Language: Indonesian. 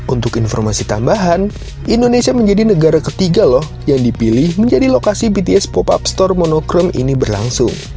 untuk informasi tambahan indonesia menjadi negara ketiga loh yang dipilih menjadi lokasi bts pop up store monochrome ini berlangsung